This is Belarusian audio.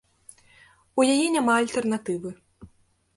У яе няма альтэрнатывы.